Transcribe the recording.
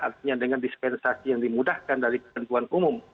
artinya dengan dispensasi yang dimudahkan dari ketentuan umum